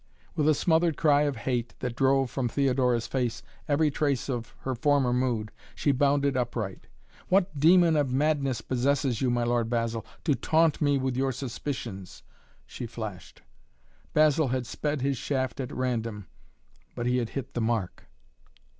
With a smothered cry of hate, that drove from Theodora's face every trace of her former mood, she bounded upright. "What demon of madness possesses you, my lord Basil, to taunt me with your suspicions?" she flashed. Basil had sped his shaft at random, but he had hit the mark.